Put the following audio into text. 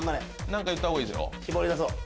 何か言ったほうがいい。